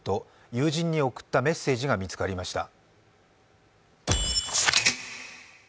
友人に送ったメッセージが見つかりました。